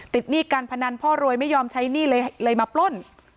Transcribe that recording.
ติดหนี้กันพนันพ่อโรยไม่ยอมใช้หนี้เลยมาปล้น